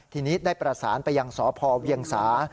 ทีนี้ได้ประสานไปยังสพเวียงสา